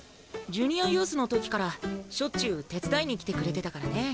ジュニアユースの時からしょっちゅう手伝いに来てくれてたからね。